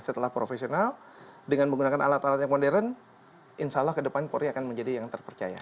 setelah profesional dengan menggunakan alat alat yang modern insya allah ke depan polri akan menjadi yang terpercaya